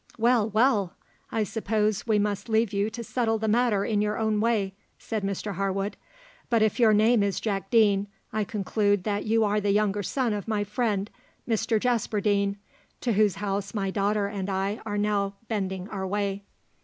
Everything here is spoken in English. "Well, well! I suppose we must leave you to settle the matter in your own way," said Mr Harwood; "but if your name is Jack Deane, I conclude that you are the younger son of my friend Mr Jasper Deane, to whose house my daughter and I are now bending our way."